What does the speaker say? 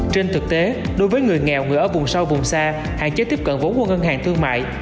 trên thực tế đối với người nghèo người ở vùng sâu vùng xa hạn chế tiếp cận vốn qua ngân hàng thương mại